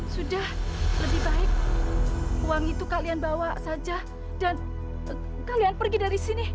sudah lebih baik uang itu kalian bawa saja dan kalian pergi dari sini